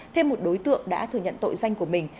thêm một đối tượng đã thừa nhận tội danh của mình